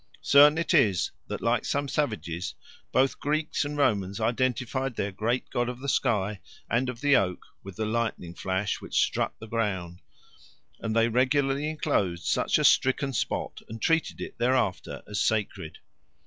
Certain it is that, like some savages, both Greeks and Romans identified their great god of the sky and of the oak with the lightning flash which struck the ground; and they regularly enclosed such a stricken spot and treated it thereafter as sacred.